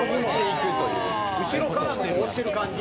「後ろからも押してる感じ？」